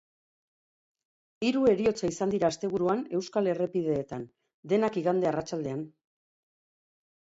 Hiru heriotza izan dira asteburuan euskal errepideetan, denak igande arratsaldean.